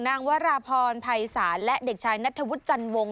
นางวรพรไพรศาสตร์และเด็กชายนัทธวุฒิจันทรวงศ์